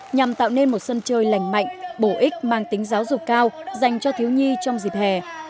nhằm tạo nên một sân chơi lành mạnh bổ ích mang tính giáo dục cao dành cho thiếu nhi trong dịp hè